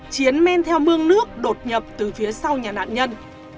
chiến men theo mương nước đột nhập từ phía sau nhà nạn nhân